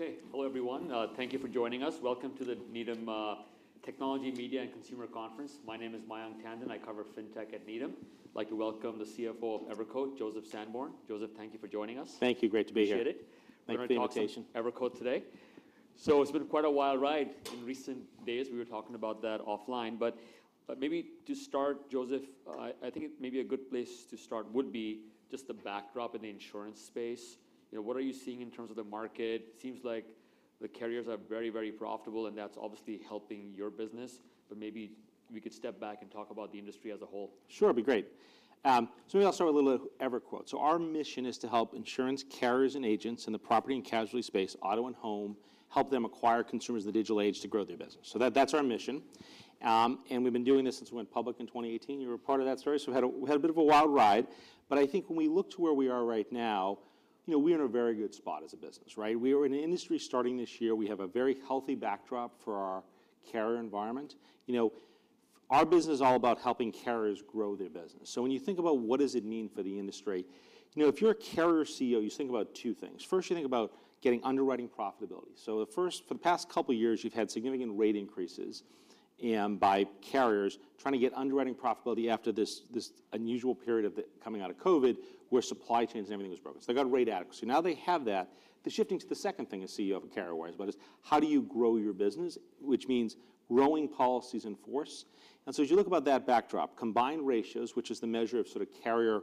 Okay. Hello, everyone. Thank you for joining us. Welcome to the Needham Technology, Media, & Consumer Conference. My name is Mayank Tandon. I cover fintech at Needham. I'd like to welcome the CFO of EverQuote, Joseph Sanborn. Joseph, thank you for joining us. Thank you. Great to be here. Appreciate it. Thanks for the invitation. We're gonna talk some EverQuote today. It's been quite a wild ride in recent days. We were talking about that offline, but maybe to start, Joseph, I think it may be a good place to start would be just the backdrop in the insurance space. You know, what are you seeing in terms of the market? Seems like the carriers are very profitable, and that's obviously helping your business. Maybe we could step back and talk about the industry as a whole. Sure. It'd be great. Maybe I'll start with a little EverQuote. Our mission is to help insurance carriers and agents in the Property and Casualty space, auto and home, help them acquire consumers in the digital age to grow their business. That's our mission. We've been doing this since we went public in 2018. You were a part of that story. We had a bit of a wild ride. I think when we look to where we are right now, you know, we're in a very good spot as a business, right? We are in an industry starting this year. We have a very healthy backdrop for our carrier environment. You know, our business is all about helping carriers grow their business. When you think about what does it mean for the industry, you know, if you're a carrier CEO, you think about two things. First, you think about getting underwriting profitability. At first for the past couple years, you've had significant rate increases by carriers trying to get underwriting profitability after this unusual period of the coming out of COVID, where supply chains and everything was broken. They got rate adequacy. Now they have that. They're shifting to the second thing a CEO of a carrier worries about is, how do you grow your business? Which means growing policies in force. As you look about that backdrop, combined ratios, which is the measure of sort of carrier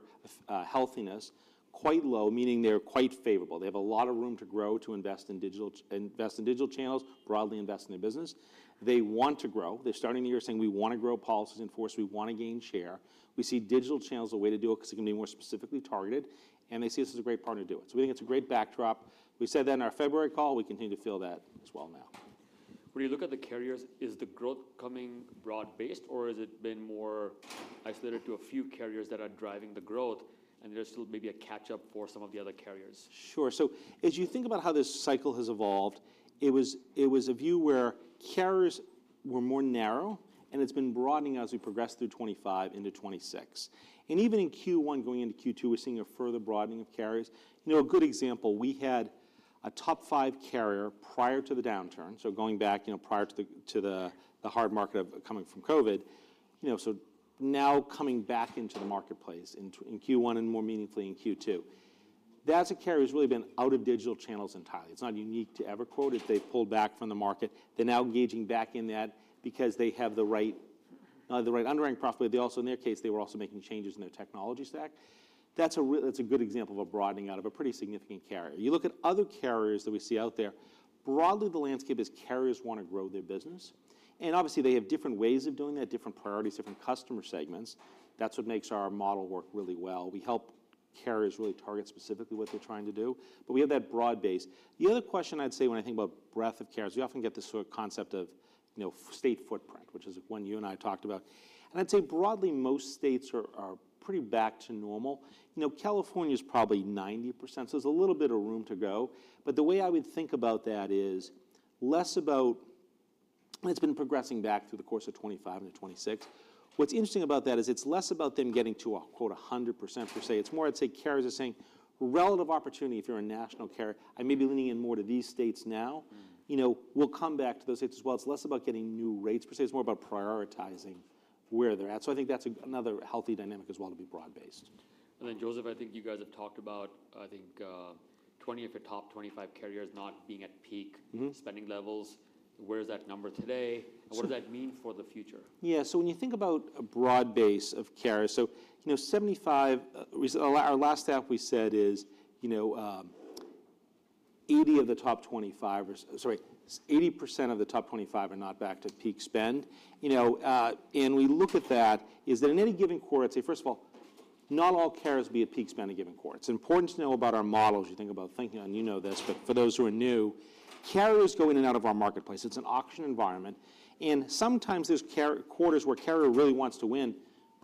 healthiness, quite low, meaning they're quite favorable. They have a lot of room to grow to invest in digital channels, broadly invest in their business. They want to grow. They're starting the year saying, "We want to grow policies in force. We want to gain share." We see digital channels as a way to do it because it can be more specifically targeted, and they see us as a great partner to do it. We think it's a great backdrop. We said that in our February call. We continue to feel that as well now. When you look at the carriers, is the growth coming broad-based or has it been more isolated to a few carriers that are driving the growth and there's still maybe a catch-up for some of the other carriers? Sure. As you think about how this cycle has evolved, it was a view where carriers were more narrow and it's been broadening as we progress through 2025 into 2026. Even in Q1 going into Q2, we're seeing a further broadening of carriers. You know, a good example, we had a top five carrier prior to the downturn, so going back, you know, prior to the hard market of coming from COVID, you know, now coming back into the marketplace in Q1 and more meaningfully in Q2. That's a carrier who's really been out of digital channels entirely. It's not unique to EverQuote if they pulled back from the market. They're now engaging back in that because they have the right, the right underwriting profit. They also, in their case, they were also making changes in their technology stack. That's a good example of a broadening out of a pretty significant carrier. You look at other carriers that we see out there, broadly the landscape is carriers want to grow their business and obviously they have different ways of doing that, different priorities, different customer segments. That's what makes our model work really well. We help carriers really target specifically what they're trying to do, but we have that broad base. The other question I'd say when I think about breadth of carriers, we often get this sort of concept of, you know, state footprint, which is one you and I talked about. I'd say broadly most states are pretty back to normal. You know, California's probably 90%, so there's a little bit of room to go. The way I would think about that is less about It's been progressing back through the course of 2025 into 2026. What's interesting about that is it's less about them getting to a quote 100% per se. It's more I'd say carriers are saying relative opportunity if you're a national carrier. I may be leaning in more to these states now. You know, we'll come back to those states as well. It's less about getting new rates per se. It's more about prioritizing where they're at. I think that's another healthy dynamic as well to be broad-based. Joseph, I think you guys have talked about I think, 20 of your top 25 carriers not being at peak. spending levels. Where is that number today? So- What does that mean for the future? When you think about a broad base of carriers, you know, 75, our last stat we said is, you know, 80 of the top 25 or sorry, 80% of the top 25 are not back to peak spend. You know, we look at that, is that in any given quarter, I'd say first of all, not all carriers will be at peak spend in a given quarter. It's important to know about our model as you think about, you know this. For those who are new, carriers go in and out of our marketplace. It's an auction environment. Sometimes there's quarters where a carrier really wants to win,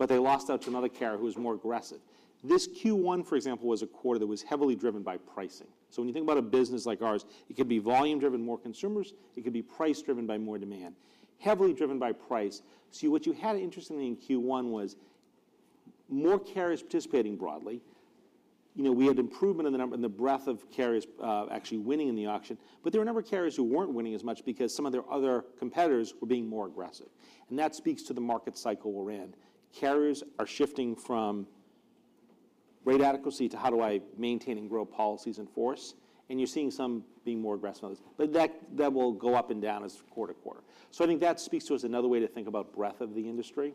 they lost out to another carrier who was more aggressive. This Q1, for example, was a quarter that was heavily driven by pricing. When you think about a business like ours, it could be volume driven, more consumers, it could be price driven by more demand. Heavily driven by price. See, what you had interestingly in Q1 was more carriers participating broadly. You know, we had improvement in the breadth of carriers, actually winning in the auction. There were a number of carriers who weren't winning as much because some of their other competitors were being more aggressive. That speaks to the market cycle we're in. Carriers are shifting from rate adequacy to how do I maintain and grow policies in force? You're seeing some being more aggressive than others. That will go up and down as quarter-to-quarter. I think that speaks to us another way to think about breadth of the industry.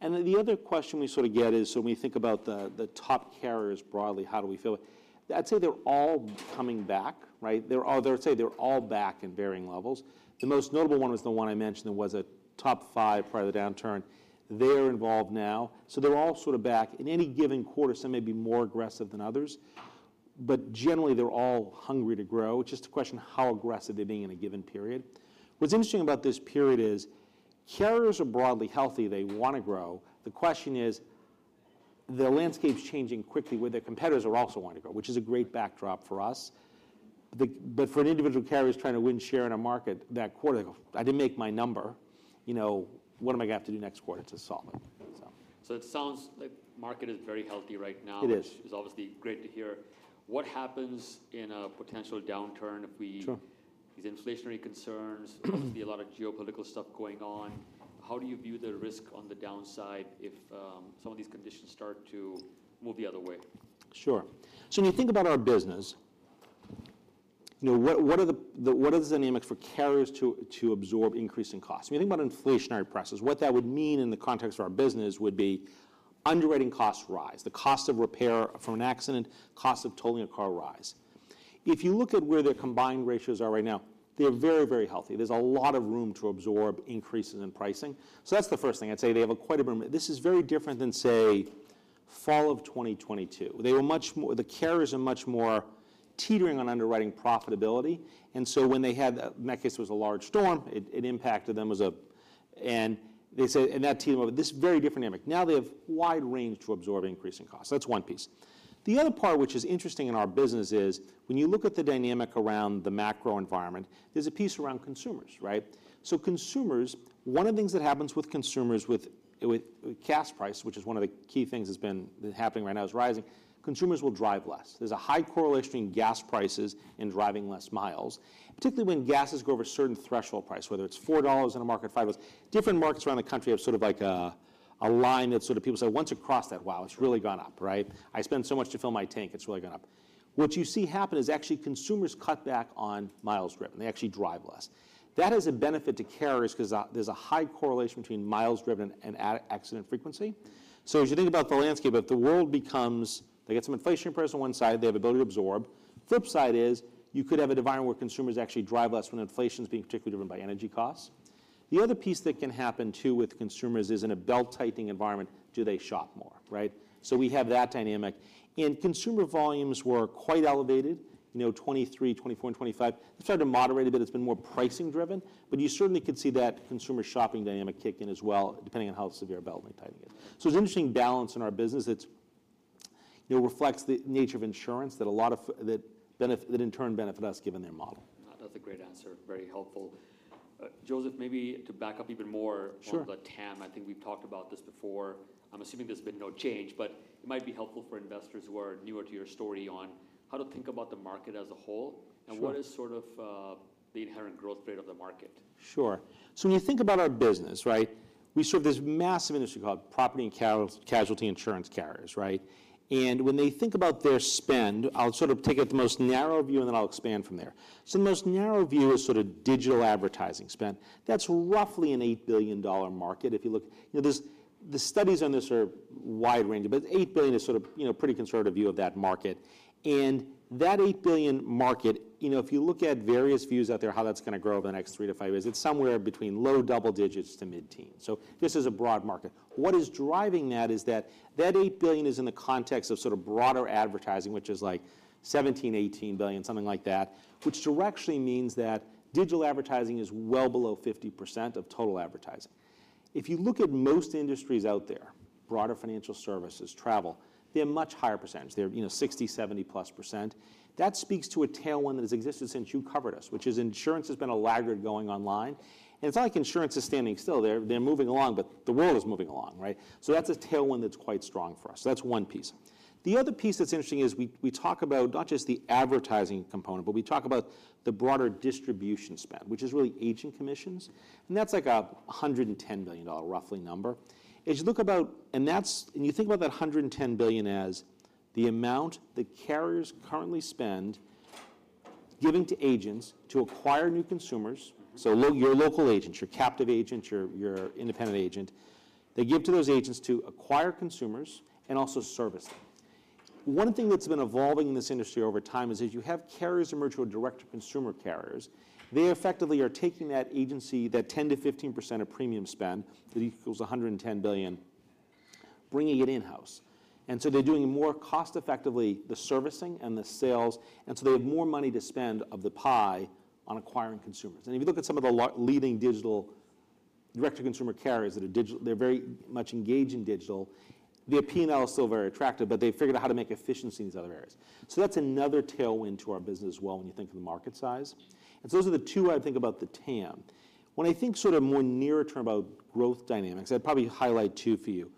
Then the other question we sort of get is, when we think about the top carriers broadly, how do we feel? I'd say they're all coming back, right? I would say they're all back in varying levels. The most notable one was the one I mentioned that was a top five prior to the downturn. They're involved now. They're all sort of back. In any given quarter, some may be more aggressive than others, generally they're all hungry to grow. It's just a question how aggressive they're being in a given period. What's interesting about this period is carriers are broadly healthy. They want to grow. The question is the landscape's changing quickly where their competitors are also wanting to grow, which is a great backdrop for us. For an individual carrier who's trying to win share in a market that quarter, they go, "I didn't make my number. You know, what am I gonna have to do next quarter to solve it? It sounds like market is very healthy right now. It is. It's obviously great to hear. What happens in a potential downturn if we? Sure these inflationary concerns, obviously a lot of geopolitical stuff going on, how do you view the risk on the downside if some of these conditions start to move the other way? Sure. When you think about our business, you know, what are the dynamics for carriers to absorb increasing costs? When you think about inflationary prices, what that would mean in the context of our business would be underwriting costs rise, the cost of repair from an accident, cost of totaling a car rise. If you look at where their combined ratios are right now, they're very, very healthy. There's a lot of room to absorb increases in pricing. That's the first thing I'd say. They have quite a bit. This is very different than, say, fall of 2022. The carriers are much more teetering on underwriting profitability. When they had, in that case it was a large storm, it impacted them as a And they said, and that teetered over. This is very different dynamic. Now they have wide range to absorb increasing costs. That's one piece. The other part which is interesting in our business is when you look at the dynamic around the macro environment, there's a piece around consumers, right? Consumers, one of the things that happens with consumers with gas price, which is one of the key things that's been happening right now is rising, consumers will drive less. There's a high correlation between gas prices and driving less miles, particularly when gases go over a certain threshold price, whether it's $4 in a market or $5. Different markets around the country have sort of like a line that sort of people say, "Once you cross that, wow, it's really gone up," right? I spend so much to fill my tank, it's really gone up." What you see happen is actually consumers cut back on miles driven. They actually drive less. That is a benefit to carriers because there's a high correlation between miles driven and accident frequency. As you think about the landscape, if the world becomes, they get some inflationary pressure on one side, they have the ability to absorb. Flip side is you could have a environment where consumers actually drive less when inflation's being particularly driven by energy costs. The other piece that can happen too with consumers is in a belt-tightening environment, do they shop more, right? Consumer volumes were quite elevated, you know, 2023, 2024, and 2025. They've started to moderate a bit. It's been more pricing driven. You certainly could see that consumer shopping dynamic kick in as well, depending on how severe belt tightening is. There's interesting balance in our business that's, you know, reflects the nature of insurance that a lot of, that in turn benefit us given their model. That's a great answer. Very helpful. Joseph, maybe to back up even more- Sure on the TAM, I think we've talked about this before. I'm assuming there's been no change, but it might be helpful for investors who are newer to your story on how to think about the market as a whole. Sure What is sort of, the inherent growth rate of the market? Sure. When you think about our business, right? We serve this massive industry called property and casualty insurance carriers, right? When they think about their spend, I'll sort of take it at the most narrow view, and then I'll expand from there. The most narrow view is sort of digital advertising spend. That's roughly an $8 billion market. If you look, you know, the studies on this are wide ranging, but $8 billion is sort of, you know, pretty conservative view of that market. That $8 billion market, you know, if you look at various views out there, how that's gonna grow over the next three-five years, it's somewhere between low double digits to mid-teens. This is a broad market. What is driving that is that that $8 billion is in the context of sort of broader advertising, which is like $17 billion, $18 billion, something like that, which directionally means that digital advertising is well below 50% of total advertising. If you look at most industries out there, broader financial services, travel, they're much higher percentage. They're, you know, 60%, 70%+. That speaks to a tailwind that has existed since you covered us, which is insurance has been a laggard going online, and it's not like insurance is standing still. They're moving along, but the world is moving along, right? That's a tailwind that's quite strong for us. That's one piece. The other piece that's interesting is we talk about not just the advertising component, but we talk about the broader distribution spend, which is really agent commissions, and that's like a $110 million roughly number. You think about that $110 billion as the amount that carriers currently spend giving to agents to acquire new consumers. Your local agents, your captive agents, your independent agent. They give to those agents to acquire consumers and also service them. One thing that's been evolving in this industry over time is as you have carriers emerge who are direct to consumer carriers, they effectively are taking that agency, that 10%-15% of premium spend that equals $110 billion, bringing it in-house. They're doing more cost effectively the servicing and the sales, and so they have more money to spend of the pie on acquiring consumers. If you look at some of the leading digital direct to consumer carriers that are digital, they very much engage in digital. Their P&L is still very attractive, but they've figured out how to make efficiency in these other areas. That's another tailwind to our business as well when you think of the market size. Those are the two I think about the TAM. When I think sort of more nearer term about growth dynamics, I'd probably highlight two for you.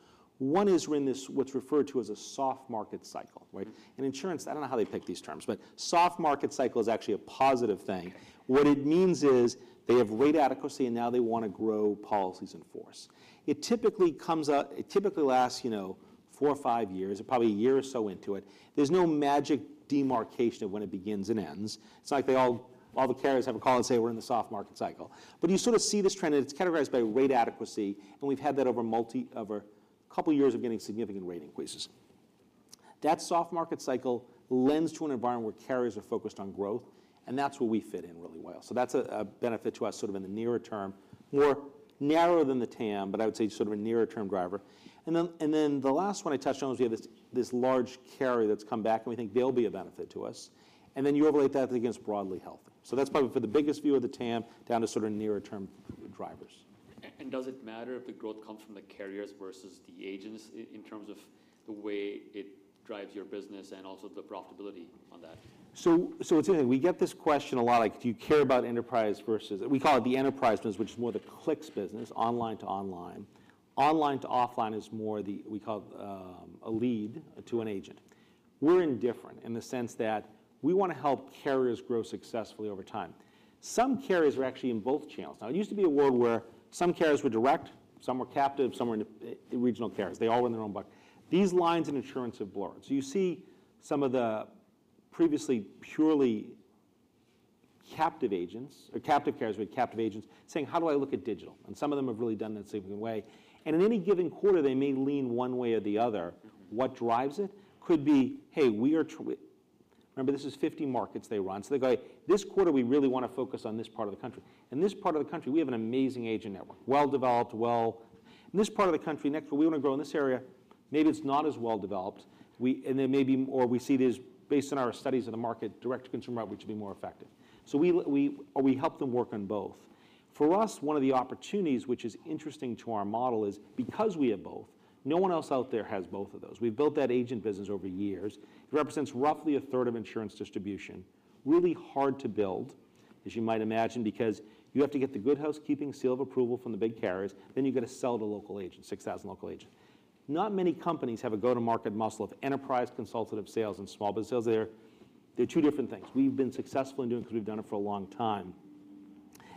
One is we're in this, what's referred to as a soft market cycle, right? In insurance, I don't know how they pick these terms, but soft market cycle is actually a positive thing. What it means is they have rate adequacy, and now they want to grow policies in force. It typically lasts, you know, four or five years. We're probably a year or so into it. There's no magic demarcation of when it begins and ends. It's not like they all the carriers have a call and say, "We're in the soft market cycle." You sort of see this trend, and it's categorized by rate adequacy, and we've had that over a couple years of getting significant rate increases. That soft market cycle lends to an environment where carriers are focused on growth, and that's where we fit in really well. That's a benefit to us sort of in the nearer term, more narrower than the TAM, but I would say sort of a nearer-term driver. Then the last one I touched on was we have this large carrier that's come back, and we think they'll be a benefit to us, and then you overlay that against broadly health. That's probably for the biggest view of the TAM down to sort of nearer-term drivers. Does it matter if the growth comes from the carriers versus the agents in terms of the way it drives your business and also the profitability on that? It's interesting, we get this question a lot, like, do you care about enterprise versus We call it the enterprise business, which is more the clicks business, online-to-online. Online-to-offline is more the, we call it, a lead to an agent. We're indifferent in the sense that we wanna help carriers grow successfully over time. Some carriers are actually in both channels. Now, it used to be a world where some carriers were direct, some were captive, some were in the regional carriers. They all were in their own bucket. These lines in insurance have blurred. You see some of the previously purely captive agents or captive carriers with captive agents saying, "How do I look at digital?" And some of them have really done that in a significant way. In any given quarter, they may lean one way or the other. What drives it could be, "Hey, we are." Remember, this is 50 markets they run. They go, "This quarter, we really want to focus on this part of the country. In this part of the country, we have an amazing agent network, well-developed. Next, we want to grow in this area. Maybe it's not as well-developed. They may be, or we see it as based on our studies of the market, direct-to-consumer route, which would be more effective. Or we help them work on both. For us, one of the opportunities which is interesting to our model is because we have both, no one else out there has both of those. We've built that agent business over years. It represents roughly a third of insurance distribution. Really hard to build, as you might imagine, because you have to get the Good Housekeeping seal of approval from the big carriers, then you got to sell to local agents, 6,000 local agents. Not many companies have a go-to-market muscle of enterprise consultative sales and small business sales. They're two different things. We've been successful in doing it because we've done it for a long time,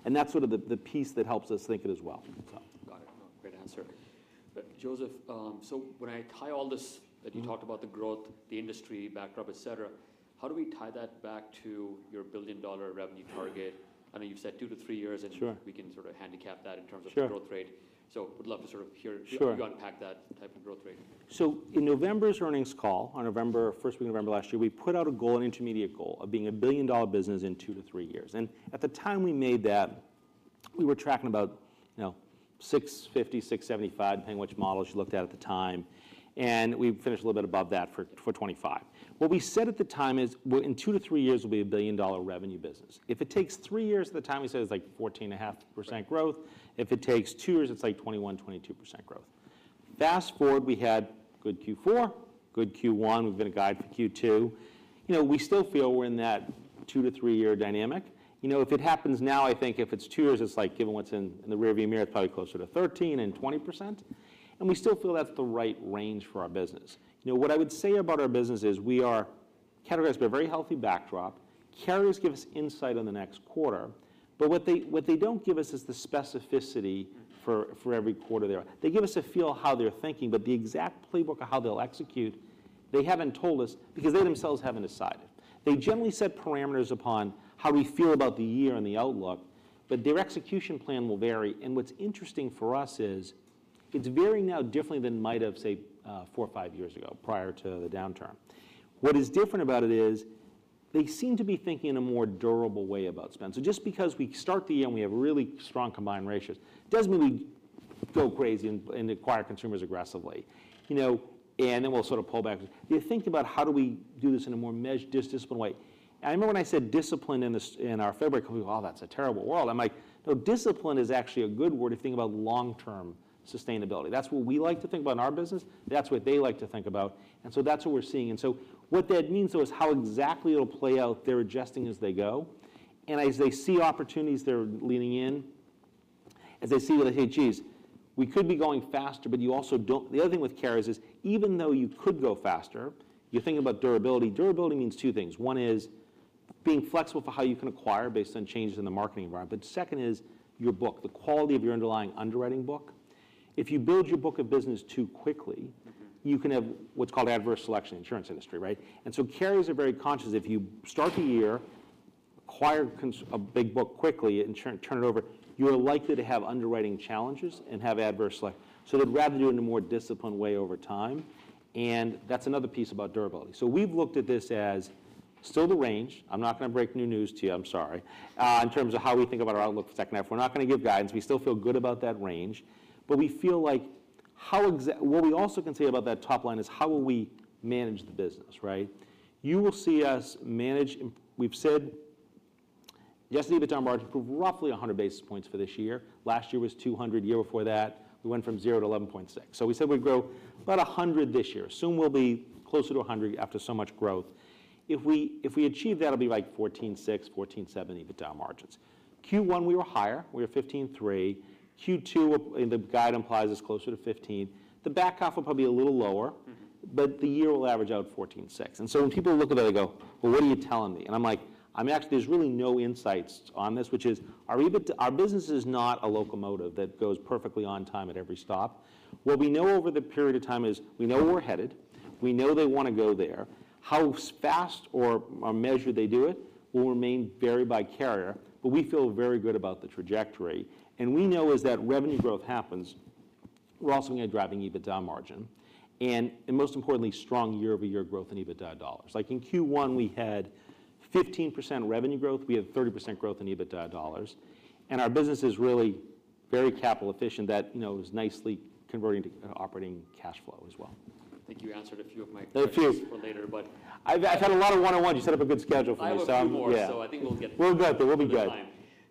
and that's sort of the piece that helps us think it as well. Got it. No. Great answer. Joseph, when I tie all this, that you talked about the growth, the industry backdrop, et cetera, how do we tie that back to your billion-dollar revenue target? I know you've said two to three years- Sure We can sort of handicap that in terms of. Sure the growth rate. would love to sort of. Sure you unpack that type of growth rate. In November's earnings call, on the first week of November last year, we put out a goal, an intermediate goal, of being a billion-dollar business in two-three years. At the time we made that, we were tracking about, you know, $650, $675, depending on which models you looked at at the time, and we finished a little bit above that for 2025. What we said at the time is we're, in two-three years, we'll be a billion-dollar revenue business. If it takes three years, at the time we said it's like 14.5% growth. If it takes two years, it's like 21%-22% growth. Fast forward, we had good Q4, good Q1. We've given a guide for Q2. You know, we still feel we're in that two-three year dynamic. You know, if it happens now, I think if it's two years, it's like, given what's in the rearview mirror, it's probably closer to 13% and 20%, and we still feel that's the right range for our business. You know, what I would say about our business is we are categorized by a very healthy backdrop. Carriers give us insight on the next quarter, but what they don't give us is the specificity for every quarter there. They give us a feel how they're thinking. The exact playbook of how they'll execute, they haven't told us because they themselves haven't decided. They generally set parameters upon how we feel about the year and the outlook, but their execution plan will vary. What's interesting for us is it's varying now differently than it might have, say, four or five years ago, prior to the downturn. What is different about it is they seem to be thinking in a more durable way about spend. Just because we start the year and we have really strong combined ratios doesn't mean we go crazy and acquire consumers aggressively. You know, we'll sort of pull back. You think about how do we do this in a more measured, disciplined way. I remember when I said disciplined in our February call. "Wow, that's a terrible word." I'm like, "No, discipline is actually a good word to think about long-term sustainability." That's what we like to think about in our business. That's what they like to think about, that's what we're seeing. What that means, though, is how exactly it'll play out, they're adjusting as they go, and as they see opportunities, they're leaning in. As they see it, they say, "Hey, geez, we could be going faster," The other thing with carriers is even though you could go faster, you think about durability. Durability means two things. One is being flexible for how you can acquire based on changes in the marketing environment. Second is your book, the quality of your underlying underwriting book. If you build your book of business too quickly. You can have what's called adverse selection in the insurance industry, right? Carriers are very conscious. If you start the year, acquire a big book quickly, and turn it over, you are likely to have underwriting challenges and have adverse selection. They'd rather do it in a more disciplined way over time, and that's another piece about durability. We've looked at this as still the range. I'm not gonna break new news to you, I'm sorry, in terms of how we think about our outlook for the second half. We're not gonna give guidance. We still feel good about that range, but we feel like what we also can say about that top line is how will we manage the business, right? You will see us manage, we've said EBITDA margin improved roughly 100 basis points for this year. Last year was 200%. Year before that, we went from 0%-11.6%. We said we'd grow about 100% this year. Assume we'll be closer to 100% after so much growth. If we achieve that, it'll be like 14.6%, 14.7% EBITDA margins. Q1, we were higher. We were 15.3%. Q2 will, the guide implies is closer to 15%. The back half will probably be a little lower. The year will average out $14.6. When people look at that, they go, "Well, what are you telling me?" I'm like, "I'm actually there's really no insights on this," which is our EBITDA, our business is not a locomotive that goes perfectly on time at every stop. What we know over the period of time is we know where we're headed. We know they wanna go there. How fast or measured they do it will remain varied by carrier, but we feel very good about the trajectory. We know as that revenue growth happens, we're also gonna be driving EBITDA margin and most importantly, strong year-over-year growth in EBITDA dollars. Like in Q1, we had 15% revenue growth. We had 30% growth in EBITDA dollars, and our business is really very capital efficient. That, you know, is nicely converting to operating cash flow as well. Thank you. For later, but I've had a lot of one-on-ones. You set up a good schedule for me. I have a few more. Yeah. So I think we'll get- We're good though. We'll be good. Through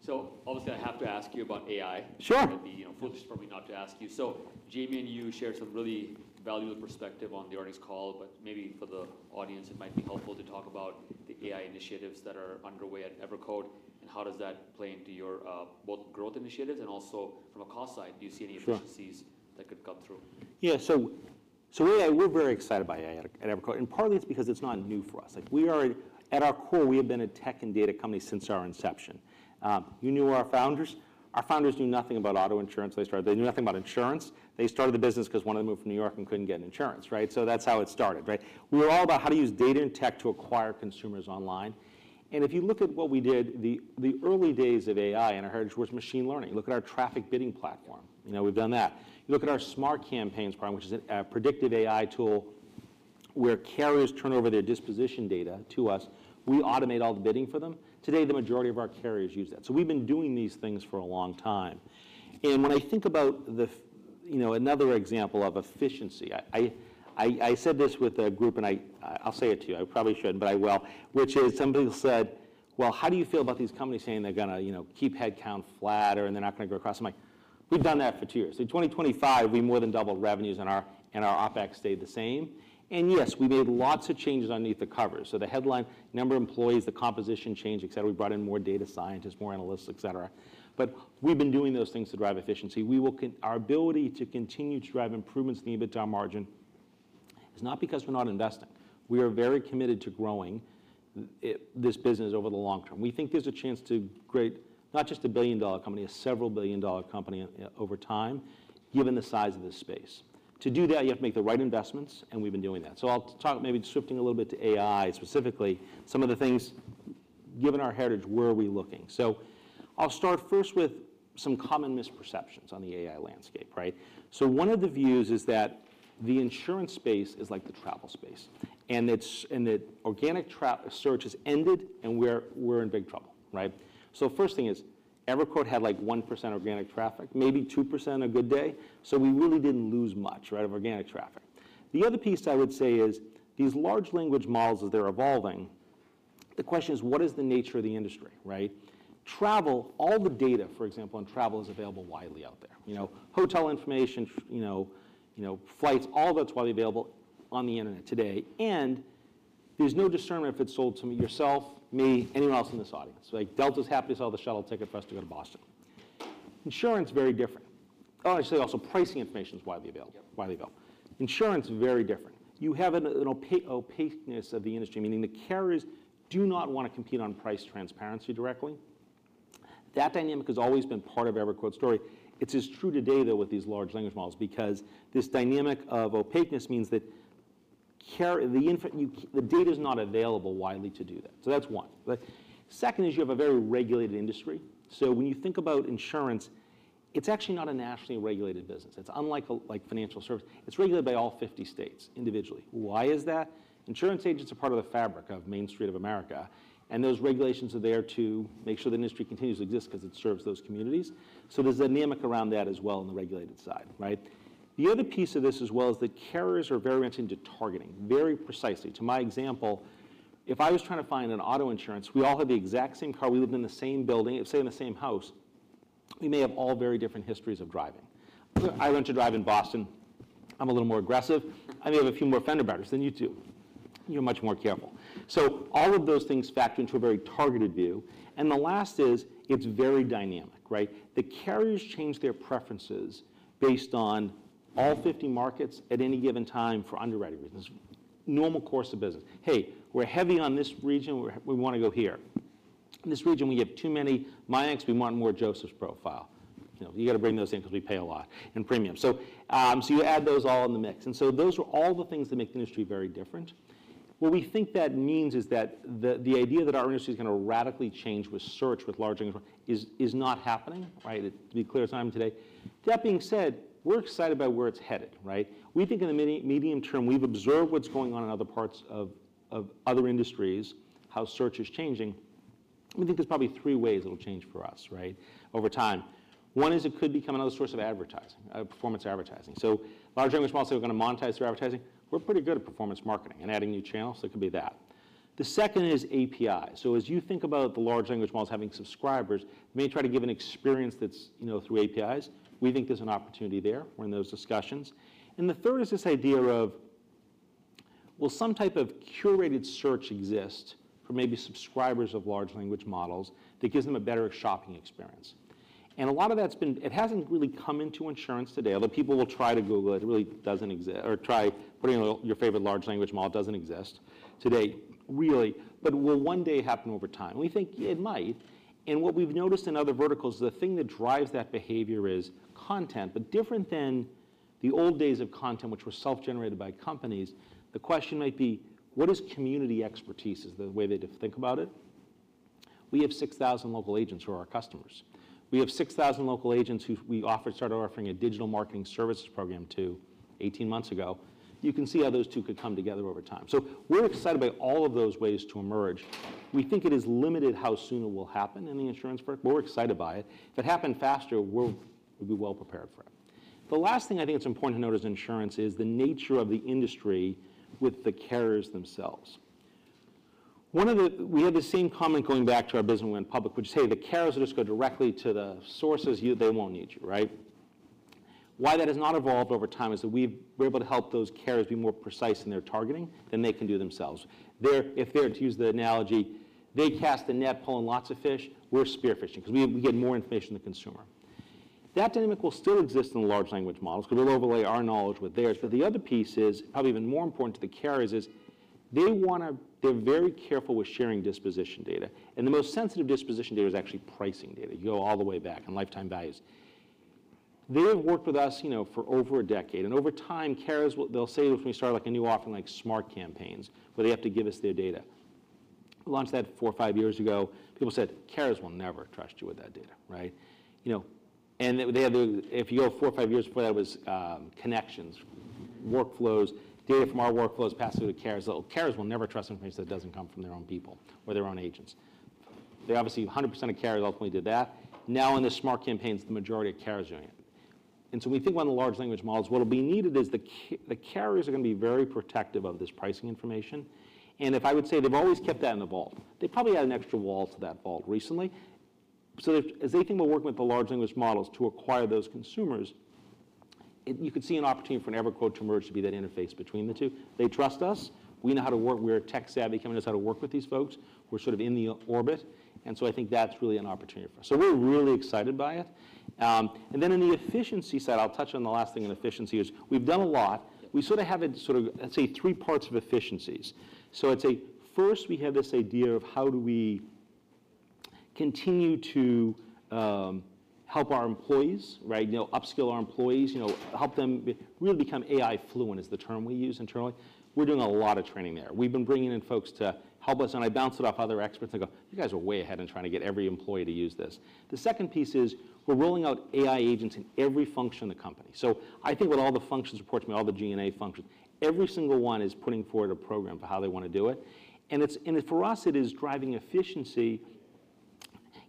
the time. Obviously, I have to ask you about AI. Sure. It'd be, you know, foolish for me not to ask you. Jayme and you shared some really valuable perspective on the earnings call, but maybe for the audience it might be helpful to talk about the AI initiatives that are underway at EverQuote, and how does that play into your both growth initiatives and also from a cost side, do you see any- Sure Efficiencies that could come through? Yeah. AI, we're very excited by AI at EverQuote, partly it's because it's not new for us. Like we are. At our core, we have been a tech and data company since our inception. You knew our founders. Our founders knew nothing about auto insurance when they started. They knew nothing about insurance. They started the business 'cause one of them moved from New York and couldn't get insurance, right? That's how it started, right? We were all about how to use data and tech to acquire consumers online. If you look at what we did, the early days of AI and our heritage was machine learning. Look at our traffic bidding platform. You know, we've done that. You look at our Smart Campaigns program, which is a predictive AI tool, where carriers turn over their disposition data to us. We automate all the bidding for them. Today, the majority of our carriers use that. We've been doing these things for a long time. When I think about you know, another example of efficiency, I said this with a group and I'll say it to you. I probably shouldn't, but I will, which is somebody said, "Well, how do you feel about these companies saying they're gonna, you know, keep head count flat or they're not gonna grow across?" I'm like, "We've done that for two years." In 2025, we more than doubled revenues and our OpEx stayed the same. Yes, we made lots of changes underneath the covers. The headline, number of employees, the composition change, et cetera. We brought in more data scientists, more analysts, et cetera. We've been doing those things to drive efficiency. We will our ability to continue to drive improvements in the EBITDA margin is not because we're not investing. We are very committed to growing it, this business over the long term. We think there's a chance to create not just a billion-dollar company, a several billion dollar company over time, given the size of this space. To do that, you have to make the right investments, and we've been doing that. I'll talk maybe shifting a little bit to AI specifically, some of the things, given our heritage, where are we looking? I'll start first with some common misperceptions on the AI landscape, right? One of the views is that the insurance space is like the travel space, and that organic search has ended and we're in big trouble, right? First thing is EverQuote had like 1% organic traffic, maybe 2% a good day. We really didn't lose much, right, of organic traffic. The other piece I would say is these large language models, as they're evolving, the question is. What is the nature of the industry, right? Travel, all the data, for example, on travel is available widely out there. You know, hotel information, you know, flights, all that's widely available on the internet today, and there's no discernment if it's sold to me, yourself, me, anyone else in this audience. Like Delta's happy to sell the shuttle ticket for us to go to Boston. Insurance, very different. Oh, I say also pricing information's widely available. Yep. Widely available. Insurance, very different. You have an opaqueness of the industry, meaning the carriers do not want to compete on price transparency directly. That dynamic has always been part of EverQuote's story. It's as true today though with these large language models because this dynamic of opaqueness means that the data's not available widely to do that. That's one, right? Second is you have a very regulated industry. When you think about insurance, it's actually not a nationally regulated business. It's unlike a, like financial service. It's regulated by all 50 states individually. Why is that? Insurance agents are part of the fabric of Main Street of America, those regulations are there to make sure the industry continues to exist 'cause it serves those communities. There's a dynamic around that as well on the regulated side, right? The other piece of this as well is the carriers are very much into targeting, very precisely. To my example, if I was trying to find an auto insurance, we all have the exact same car. We lived in the same building, say in the same house. We may have all very different histories of driving. I learned to drive in Boston. I'm a little more aggressive. I may have a few more fender benders than you do. You're much more careful. All of those things factor into a very targeted view, and the last is it's very dynamic, right. The carriers change their preferences based on all 50 markets at any given time for underwriting reasons. Normal course of business. "Hey, we're heavy on this region. We want to go here. In this region, we get too many Mayanks. We want more Joseph's profile." You know, you've got to bring those in because we pay a lot in premium. You add those all in the mix. Those are all the things that make the industry very different. What we think that means is that the idea that our industry is going to radically change with search with large language model is not happening, right? To be clear as time today. That being said, we're excited about where it's headed, right? We think in the mini- medium term, we've observed what's going on in other parts of other industries, how search is changing. We think there's probably three ways it'll change for us, right, over time. One is it could become another source of advertising, performance advertising. Large language models are going to monetize through advertising. We're pretty good at performance marketing and adding new channels, so it could be that. The second is APIs. As you think about the large language models having subscribers, may try to give an experience that's, you know, through APIs. We think there's an opportunity there. We're in those discussions. The third is this idea of will some type of curated search exist for maybe subscribers of large language models that gives them a better shopping experience? It hasn't really come into insurance today, although people will try to Google it. Or try putting in your favorite large language model. It doesn't exist today, really, but will one day happen over time. We think it might. What we've noticed in other verticals, the thing that drives that behavior is content. Different than the old days of content, which was self-generated by companies, the question might be. What is community expertise is the way they think about it? We have 6,000 local agents who are our customers. We have 6,000 local agents who we offer, started offering a digital marketing services program to 18 months ago. You can see how those two could come together over time. We're excited about all of those ways to emerge. We think it is limited how soon it will happen in the insurance part, but we're excited by it. If it happened faster, We'll be well prepared for it. The last thing I think it's important to note as insurance is the nature of the industry with the carriers themselves. We had the same comment going back to our business when public, which say the carriers will just go directly to the sources, you, they won't need you, right? Why that has not evolved over time is that we're able to help those carriers be more precise in their targeting than they can do themselves. They're, if they're to use the analogy, they cast the net, pull in lots of fish, we're spearfishing 'cause we get more information to consumer. That dynamic will still exist in the large language models 'cause we'll overlay our knowledge with theirs. The other piece is probably even more important to the carriers is they're very careful with sharing disposition data, and the most sensitive disposition data is actually pricing data. You go all the way back and lifetime values. They have worked with us, you know, for over a decade. Over time they'll say when we start like a new offering like Smart Campaigns, they have to give us their data. Launched that four or five years ago. People said, "Carriers will never trust you with that data," right? You know, they If you go four or five years before that was connections, workflows, data from our workflows pass through to carriers. Carriers will never trust information that doesn't come from their own people or their own agents. They're obviously 100% of carriers ultimately did that. In the Smart Campaigns, the majority of carriers are doing it. We think one of the large language models, what'll be needed is the carriers are gonna be very protective of this pricing information. If I would say they've always kept that in the vault, they probably add an extra wall to that vault recently. If as they think about working with the large language models to acquire those consumers, it you could see an opportunity for an EverQuote to emerge to be that interface between the two. They trust us. We know how to work. We're a tech savvy company, how to work with these folks. We're sort of in the orbit, I think that's really an opportunity for us. We're really excited by it. Then in the efficiency side, I'll touch on the last thing in efficiency is we've done a lot. We sort of have it, let's say three parts of efficiencies. I'd say first we have this idea of how do we continue to help our employees, right? You know, upskill our employees, you know, help them be really become AI fluent is the term we use internally. We're doing a lot of training there. I bounce it off other experts. They go, "You guys are way ahead in trying to get every employee to use this." The second piece is we're rolling out AI agents in every function of the company. I think with all the functions reports, I mean all the G&A functions, every single one is putting forward a program for how they want to do it. It's, and for us, it is driving efficiency.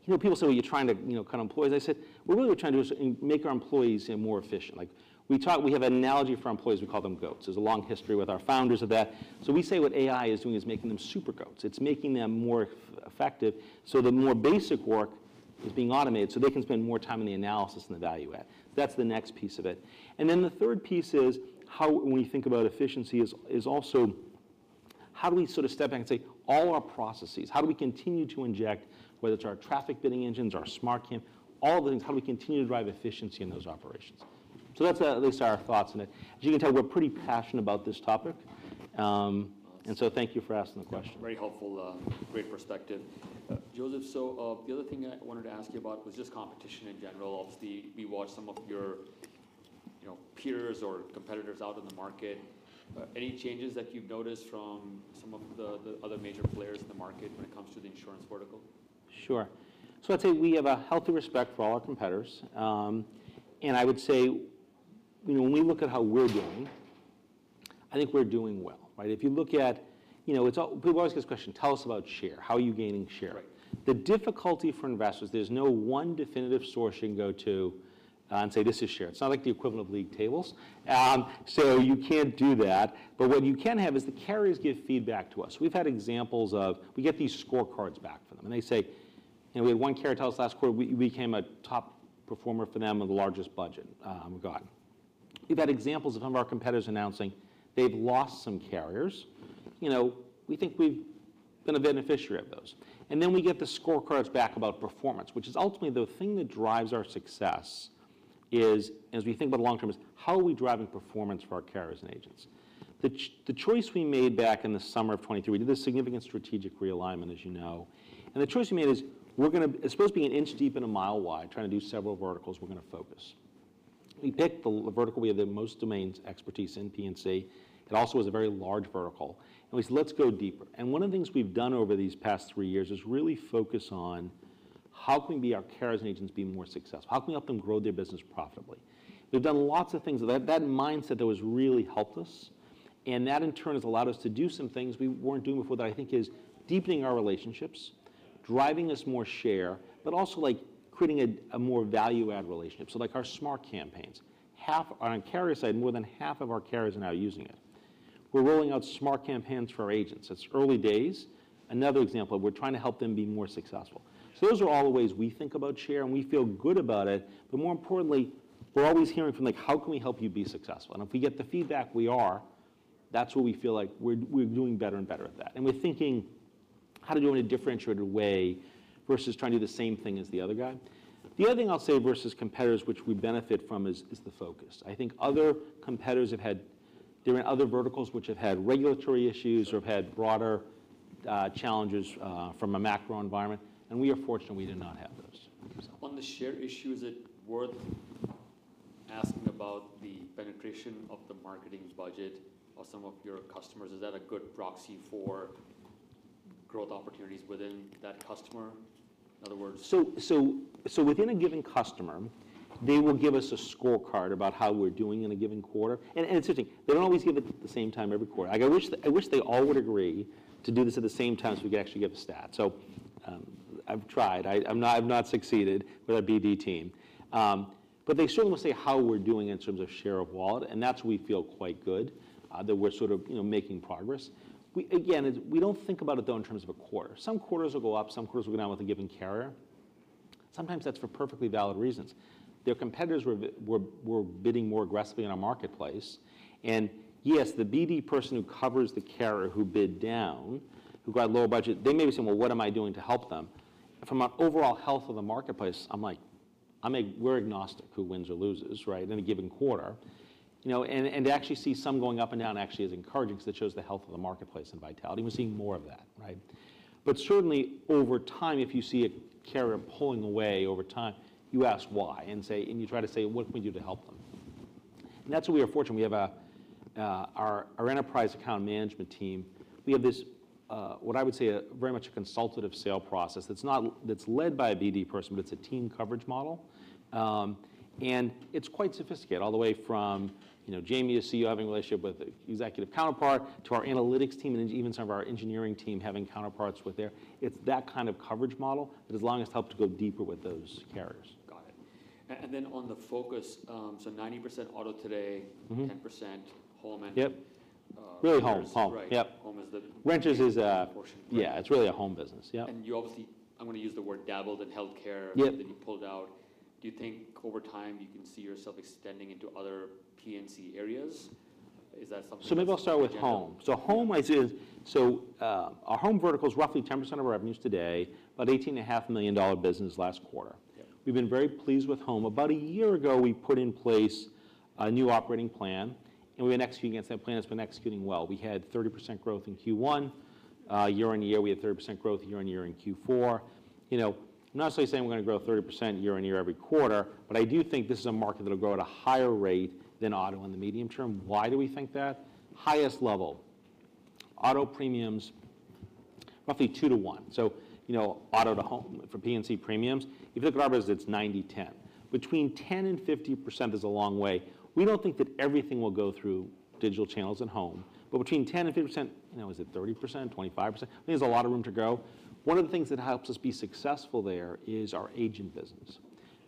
You know, people say, well, you're trying to, you know, cut employees. I said, "We're really trying to do is make our employees more efficient." Like we have an analogy for our employees, we call them GOATs. There's a long history with our founders of that. We say what AI is doing is making them super GOATs. It's making them more effective. The more basic work is being automated so they can spend more time in the analysis and the value add. That's the next piece of it. The third piece is how when we think about efficiency is also how do we sort of step back and say all our processes, how do we continue to inject, whether it's our traffic bidding platform, our Smart Campaigns, all the things, how do we continue to drive efficiency in those operations? That's at least our thoughts on it. As you can tell, we're pretty passionate about this topic. Thank you for asking the question. Very helpful. Great perspective. Joseph, the other thing I wanted to ask you about was just competition in general. Obviously, we watch some of your, you know, peers or competitors out in the market. Any changes that you've noticed from some of the other major players in the market when it comes to the insurance vertical? Sure. I'd say we have a healthy respect for all our competitors. I would say, you know, when we look at how we're doing, I think we're doing well, right? If you look at, you know, people always ask this question, "Tell us about share. How are you gaining share? Right. The difficulty for investors, there's no one definitive source you can go to, and say, "This is share." It's not like the equivalent of league tables. You can't do that, but what you can have is the carriers give feedback to us. We've had examples of, we get these scorecards back from them, and they say, you know, we had one carrier tell us last quarter, we became a top performer for them of the largest budget we've got. We've had examples of some of our competitors announcing they've lost some carriers. You know, we think we've been a beneficiary of those. We get the scorecards back about performance, which is ultimately the thing that drives our success is as we think about the long term is how are we driving performance for our carriers and agents? The choice we made back in the summer of 2023, we did this significant strategic realignment, as you know, and the choice we made is we're gonna as opposed to being an inch deep and a mile wide, trying to do several verticals, we're gonna focus. We picked the vertical, we have the most domain expertise in P&C. It also is a very large vertical and we said, "Let's go deeper." One of the things we've done over these past three years is really focus on how can we be our carriers and agents be more successful? How can we help them grow their business profitably? We've done lots of things. That mindset though has really helped us, and that in turn has allowed us to do some things we weren't doing before that I think is deepening our relationships, driving us more share, but also like creating a more value-add relationship. Like our Smart Campaigns, half on carrier side, more than half of our carriers are now using it. We're rolling out Smart Campaigns for our agents. It's early days. Another example, we're trying to help them be more successful. Those are all the ways we think about share and we feel good about it, but more importantly, we're always hearing from like, "How can we help you be successful?" If we get the feedback we are, that's what we feel like we're doing better and better at that. We're thinking how to do it in a differentiated way versus trying to do the same thing as the other guy. The other thing I'll say versus competitors, which we benefit from is the focus. I think other competitors have had different, other verticals which have had regulatory issues or have had broader challenges from a macro environment. We are fortunate we did not have those. On the share issue, is it worth asking about the penetration of the marketing budget of some of your customers? Is that a good proxy for growth opportunities within that customer, in other words? Within a given customer, they will give us a scorecard about how we're doing in a given quarter. It's interesting, they don't always give it the same time every quarter. I wish they all would agree to do this at the same time, so we could actually give a stat. I've tried. I'm not, I've not succeeded with our BD team. They certainly will say how we're doing in terms of share of wallet, and that's we feel quite good, that we're sort of, you know, making progress. Again, it's we don't think about it though in terms of a quarter. Some quarters will go up, some quarters will go down with a given carrier. Sometimes that's for perfectly valid reasons. Their competitors were bidding more aggressively in our marketplace. Yes, the BD person who covers the carrier who bid down, who got lower budget, they may be saying, "Well, what am I doing to help them?" From a overall health of the marketplace, I'm like, We're agnostic who wins or loses, right? In a given quarter. You know, to actually see some going up and down actually is encouraging 'cause it shows the health of the marketplace and vitality. We're seeing more of that, right? Certainly over time, if you see a carrier pulling away over time, you ask why and you try to say, "What can we do to help them?" That's where we are fortunate. We have our enterprise account management team. We have this, what I would say a very much a consultative sale process that's not that's led by a BD person, but it's a team coverage model. And it's quite sophisticated, all the way from, you know, Jayme, a CEO, having a relationship with a executive counterpart to our analytics team, and even some of our engineering team having counterparts with their. It's that kind of coverage model that has allowed us to help to go deeper with those carriers. Got it. On the focus, 90% auto today. 10% home. Yep Renters. Really home. Home. Right. Yep. Home is the- Renters is. Portion. Right Yeah, it's really a home business, yeah. You obviously, I'm gonna use the word dabbled in healthcare. Yep You pulled out. Do you think over time you can see yourself extending into other P&C areas? Is that something that's on the agenda? Maybe I'll start with home. Home I'd say our home vertical is roughly 10% of our revenues today, about $18.5 million business last quarter. Yeah. We've been very pleased with home. About a year ago, we put in place a new operating plan, we've been executing against that plan. It's been executing well. We had 30% growth in Q1. Year-on-year we had 30% growth, year-on-year in Q4. You know, I'm not necessarily saying we're gonna grow 30% year-on-year every quarter, I do think this is a market that'll grow at a higher rate than auto in the medium term. Why do we think that? Highest level, auto premiums roughly two-one. You know, auto to home for P&C premiums. If you look at our business, it's 90/10. Between 10% and 50% is a long way. We don't think that everything will go through digital channels at home, but between 10% and 50%, you know, is it 30%, 25%, I think there's a lot of room to go. One of the things that helps us be successful there is our agent business.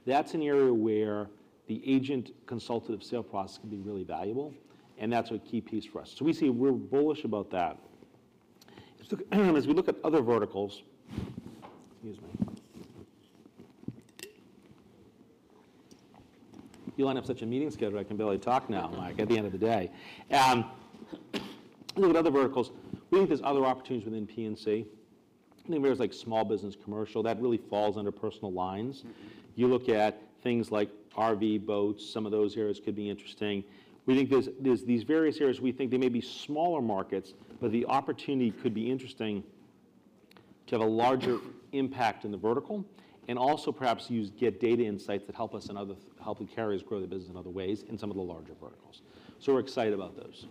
That's an area where the agent consultative sale process can be really valuable, and that's a key piece for us. We see we're bullish about that. As we look at other verticals. Excuse me. You line up such a meeting schedule, I can barely talk now, Mayank, at the end of the day. Looking at other verticals, we think there's other opportunities within P&C. Think there's like small business commercial. That really falls under personal lines. You look at things like RV, boats, some of those areas could be interesting. We think there's these various areas we think they may be smaller markets, but the opportunity could be interesting to have a larger impact in the vertical, and also perhaps use get data insights that help us in other, help the carriers grow their business in other ways in some of the larger verticals. We're excited about those.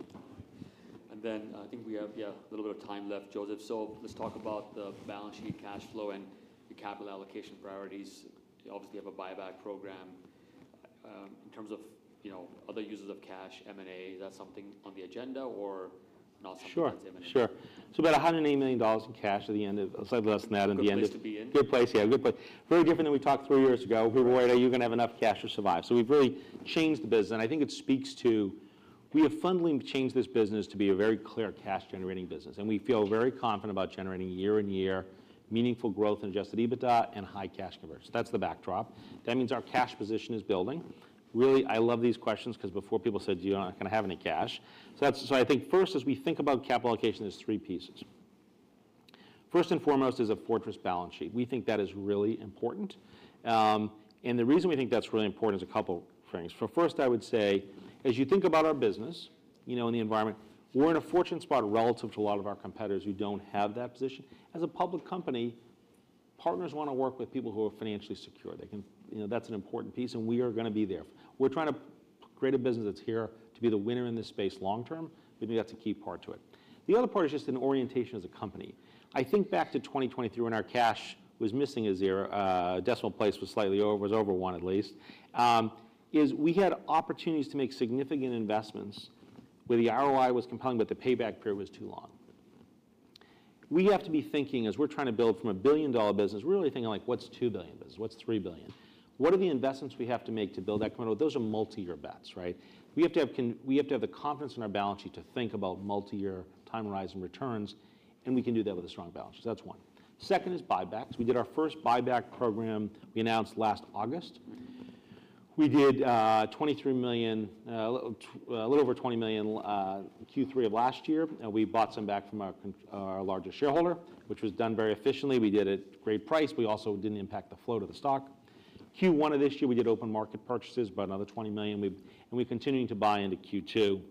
I think we have, yeah, a little bit of time left, Joseph. Let's talk about the balance sheet cash flow and the capital allocation priorities. You obviously have a buyback program. In terms of, you know, other uses of cash, M&A, is that something on the agenda or not something that's imminent? Sure. Sure. About $180 million in cash at the end of. Good place to be in? Good place. Yeah, Very different than we talked three years ago. Right. We were worried, are you gonna have enough cash to survive? We've really changed the business, and I think it speaks to we have fundamentally changed this business to be a very clear cash generating business, and we feel very confident about generating year-on-year meaningful growth in adjusted EBITDA and high cash conversion. That's the backdrop. That means our cash position is building. Really, I love these questions, 'cause before people said, "You're not gonna have any cash." I think first as we think about capital allocation, there's three pieces. First and foremost is a fortress balance sheet. We think that is really important. The reason we think that's really important is a couple things. First, I would say as you think about our business, you know, and the environment, we're in a fortunate spot relative to a lot of our competitors who don't have that position. As a public company, partners wanna work with people who are financially secure. You know, that's an important piece and we are gonna be there. We're trying to create a business that's here to be the winner in this space long term. We think that's a key part to it. The other part is just an orientation as a company. I think back to 2023 when our cash was missing a zero, decimal place was slightly over, was over one at least, is we had opportunities to make significant investments where the ROI was compelling, but the payback period was too long. We have to be thinking as we're trying to build from a billion-dollar business, we're really thinking like, what's $2 billion business, what's $3 billion? What are the investments we have to make to build that? Those are multi-year bets, right? We have to have the confidence in our balance sheet to think about multi-year time horizon returns, and we can do that with a strong balance sheet. That's one. Second is buybacks. We did our first buyback program we announced last August. We did $23 million, a little over $20 million, Q3 of last year, and we bought some back from our largest shareholder, which was done very efficiently. We did it great price. We also didn't impact the flow to the stock. Q1 of this year, we did open market purchases about another $20 million. We've, and we're continuing to buy into Q2. You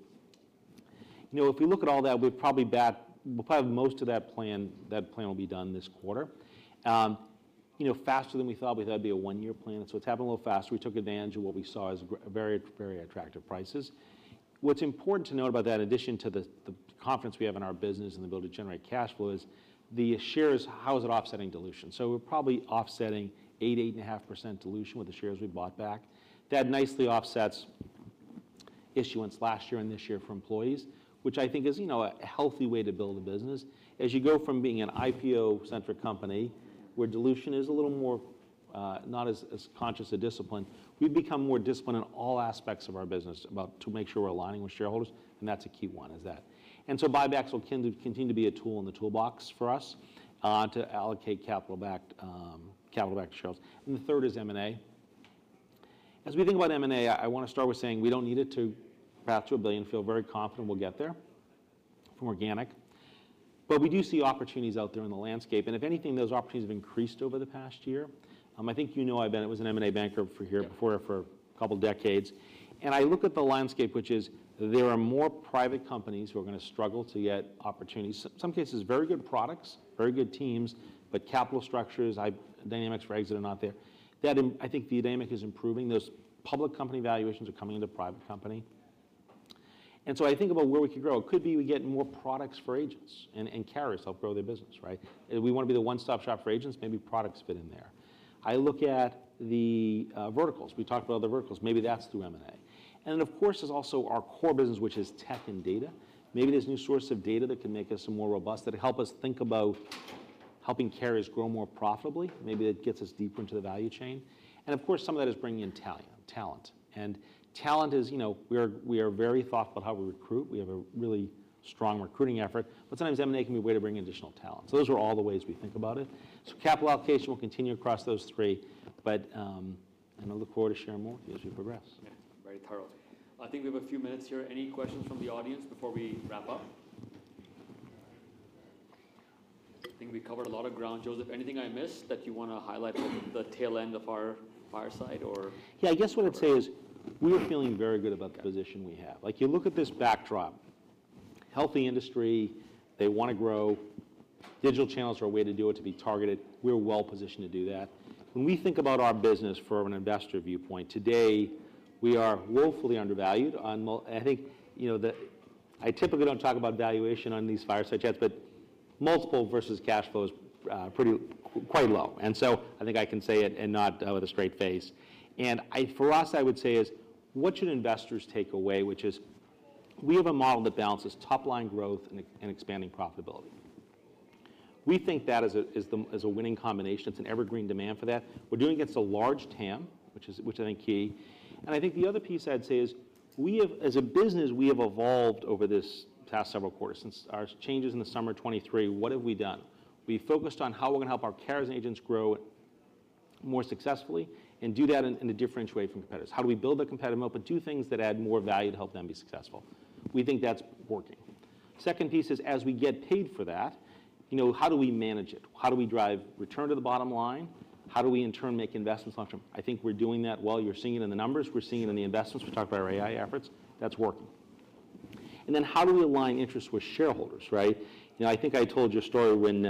know, if we look at all that, we'll probably have most of that plan will be done this quarter. You know, faster than we thought. We thought it'd be a one-year plan, it's happening a little faster. We took advantage of what we saw as very, very attractive prices. What's important to note about that addition to the confidence we have in our business and the ability to generate cash flow is the shares, how is it offsetting dilution? We're probably offsetting 8%, 8.5% dilution with the shares we bought back. That nicely offsets issuance last year and this year for employees, which I think is, you know, a healthy way to build a business. You go from being an IPO-centric company, where dilution is a little more not as conscious a discipline, we've become more disciplined in all aspects of our business to make sure we're aligning with shareholders, and that's a key one is that. Buybacks will continue to be a tool in the toolbox for us to allocate capital back to shareholders. The third is M&A. We think about M&A, I wanna start with saying we don't need it to get to a billion. Feel very confident we'll get there from organic. We do see opportunities out there in the landscape, and if anything, those opportunities have increased over the past year. I think you know I've been was an M&A banker for here. Yeah for a couple decades. I look at the landscape, which is there are more private companies who are going to struggle to get opportunities. Some cases very good products, very good teams, capital structures, I dynamics for exit are not there. That I think the dynamic is improving. Those public company valuations are coming into private company. I think about where we could grow. It could be we get more products for agents and carriers help grow their business, right? We want to be the one-stop shop for agents, maybe products fit in there. I look at the verticals. We talked about other verticals. Maybe that's through M&A. Of course, there's also our core business, which is tech and data. Maybe there's new source of data that can make us more robust, that help us think about helping carriers grow more profitably. Maybe that gets us deeper into the value chain. Of course, some of that is bringing in talent. Talent is, you know, we are very thoughtful how we recruit. We have a really strong recruiting effort. Sometimes M&A can be a way to bring in additional talent. Those are all the ways we think about it. Capital allocation will continue across those three. I look forward to sharing more as we progress. Very thorough. I think we have a few minutes here. Any questions from the audience before we wrap up? I think we covered a lot of ground. Joseph, anything I missed that you wanna highlight at the tail end of our fireside? Yeah, I guess what I'd say is we are feeling very good about the position we have. Like, you look at this backdrop. Healthy industry, they wanna grow. Digital channels are a way to do it, to be targeted. We're well-positioned to do that. When we think about our business from an investor viewpoint, today, we are woefully undervalued on I think, you know, I typically don't talk about valuation on these fireside chats, but multiple versus cash flow is pretty quite low. I think I can say it and not with a straight face. For us, I would say is what should investors take away? Which is we have a model that balances top line growth and expanding profitability. We think that is a winning combination. It's an evergreen demand for that. We're doing it against a large TAM, which I think key. I think the other piece I'd say is, as a business, we have evolved over this past several quarters. Since our changes in the summer 2023, what have we done? We focused on how we're going to help our carriers and agents grow more successfully and do that in a different way from competitors. How do we build the competitive mo- but do things that add more value to help them be successful? We think that's working. Second piece is as we get paid for that, you know, how do we manage it? How do we drive return to the bottom line? How do we in turn make investments long term? I think we're doing that. While you're seeing it in the numbers, we're seeing it in the investments. We talked about our AI efforts. That's working. How do we align interests with shareholders, right? You know, I think I told you a story when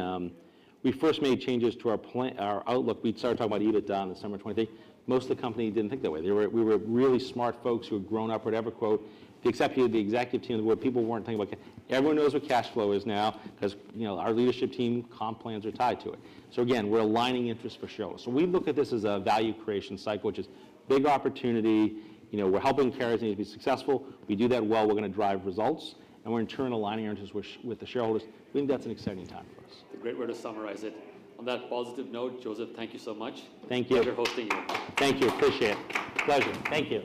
we first made changes to our plan, our outlook. We'd started talking about EBITDA in the summer of 2023. Most of the company didn't think that way. We were really smart folks who had grown up at EverQuote, the executive team, where people weren't thinking about. Everyone knows what cash flow is now 'cause, you know, our leadership team comp plans are tied to it. Again, we're aligning interest for sure. We look at this as a value creation cycle, which is big opportunity. You know, we're helping carriers and agents be successful. We do that well, we're gonna drive results, and we're in turn aligning interests with the shareholders. I think that's an exciting time for us. It's a great way to summarize it. On that positive note, Joseph, thank you so much. Thank you. Pleasure hosting you. Thank you. Appreciate it. Pleasure. Thank you.